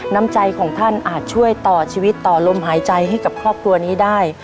น้ำใจของท่านอาจช่วยต่อชีวิตต่อลมหายใจให้กับครอบครัวนี้ได้